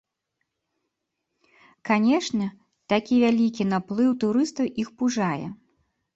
Канешне, такі вялікі наплыў турыстаў іх пужае.